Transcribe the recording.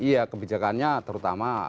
iya kebijakannya terutama